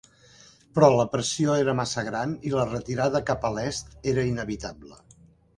Però la pressió era massa gran i la retirada cap a l'est era inevitable.